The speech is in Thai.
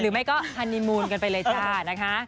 ไม่ก็ฮันนิมูลกันไปเลยจ้านะคะ